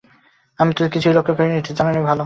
আমি যে কিছুই লক্ষ করি নে এইটে জানানোই ভালো।